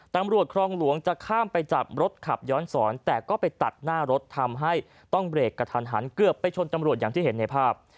ครองหลวงจะข้ามไปจับรถขับย้อนสอนแต่ก็ไปตัดหน้ารถทำให้ต้องเบรกกระทันหันเกือบไปชนตำรวจอย่างที่เห็นในภาพ